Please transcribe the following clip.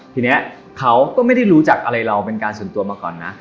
ทีนี้เขาก็ไม่ได้รู้จักอะไรเราเป็นการส่วนตัวมาก่อนนะ